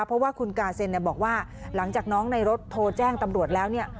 เพราะว่าคุณกาเซ็นบอกว่าหลังจากน้องในรถโทรแจ้งตำรวจแล้วเนี่ย